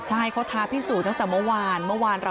ใช่เขาท้าพิสูจน์ตั้งแต่เมื่อวาน